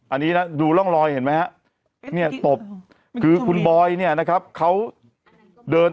อันนี้ล่อดูล่องลอยให้เนี่ยกรูคุณบอยเนี้ยนะครับเขาเดิน